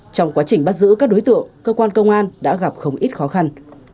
trong quá trình bắt giữ các đối tượng cơ quan công an đã gặp không ít khó khăn